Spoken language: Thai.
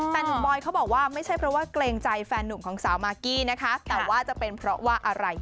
แต่หนุ่มบอยเขาบอกว่าไม่ใช่เพราะว่าเกรงใจแฟนหนุ่มของสาวมากกี้นะคะแต่ว่าจะเป็นเพราะว่าอะไร